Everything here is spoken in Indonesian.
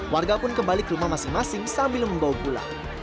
warga pun kembali ke rumah masing masing sambil membawa gula